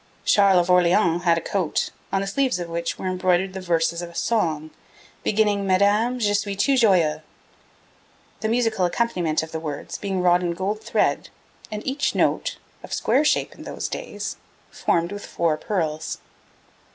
Charles of Orleans had a coat, on the sleeves of which were embroidered the verses of a song beginning 'Madame, je suis tout joyeux,' the musical accompaniment of the words being wrought in gold thread, and each note, of square shape in those days, formed with four pearls.